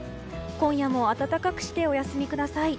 今夜も暖かくしてお休みください。